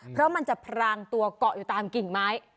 เพราะมันจะพรางตัวเกาะอยู่ตามกิ่งไม้